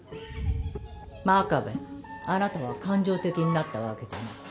真壁あなたは感情的になったわけじゃない。